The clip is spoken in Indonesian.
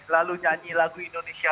lalu nyanyi lagu indonesia